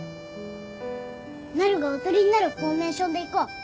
なるがおとりになるフォーメーションでいこう。